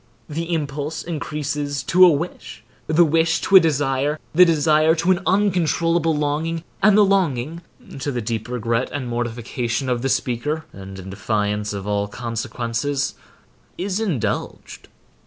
The impulse increases to a wish, the wish to a desire, the desire to an uncontrollable longing, and the longing (to the deep regret and mortification of the speaker, and in defiance of all consequences) is indulged.